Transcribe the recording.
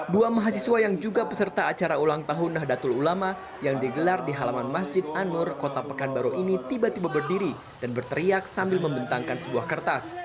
dua mahasiswa yang juga peserta acara ulang tahun nahdlatul ulama yang digelar di halaman masjid anur kota pekanbaru ini tiba tiba berdiri dan berteriak sambil membentangkan sebuah kertas